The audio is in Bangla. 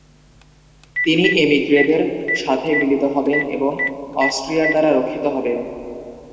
তিনি এমিগ্রে'দের সাথে মিলিত হবেন এবং অষ্ট্রিয়ার দ্বারা রক্ষিত হবেন।